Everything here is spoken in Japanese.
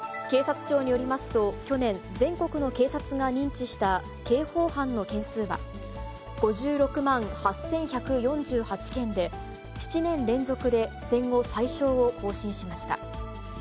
警察庁によりますと、去年、全国の警察が認知した刑法犯の件数は、５６万８１４８件で、７年連続で戦後最少を更新しました。